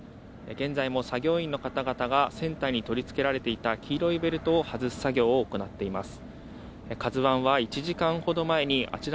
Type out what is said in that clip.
現在は作業員の方々が船体に取りつけられていた黄色いベルトを外す作業を行っています。